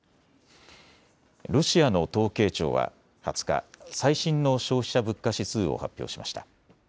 ロシアの統計庁は２０日、最新の消費者物価指数を発表しました。